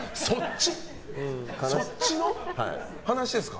そっちの話ですか？